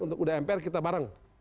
untuk udah mpr kita bareng